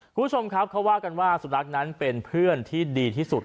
คุณผู้ชมครับเขาว่ากันว่าสุนัขนั้นเป็นเพื่อนที่ดีที่สุด